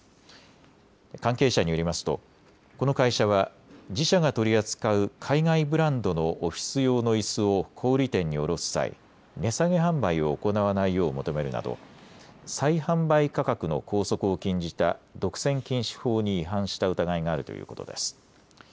関係者によりますとこの会社は自社が取り扱う海外ブランドのオフィス用のいすを小売店に卸す際、値下げ販売を行わないよう求めるなど再販売価格の拘束を禁じた独占禁止法に違反した疑いがあるということです。